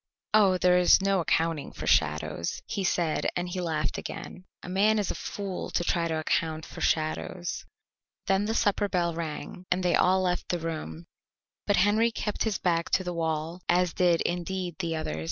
"Oh, there is no accounting for shadows," he said, and he laughed again. "A man is a fool to try to account for shadows." Then the supper bell rang, and they all left the room, but Henry kept his back to the wall, as did, indeed, the others.